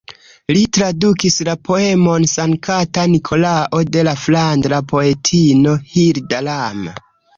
Li tradukis la poemon "Sankta Nikolao" de la flandra poetino Hilda Ram.